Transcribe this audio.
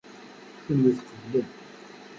Kunwi tqeblem.